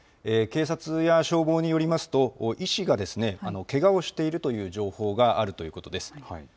警察や消防によりますと、医師が、けがをしているという情報があるということです。